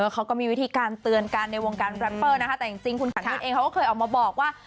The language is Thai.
เขาก็มีวิธีการเตือนกันในวงการแรปเปอร์นะคะแต่จริงคุณขันเงินเองเขาก็เคยออกมาบอกว่า